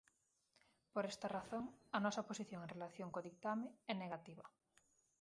Por esta razón, a nosa posición en relación co ditame é negativa.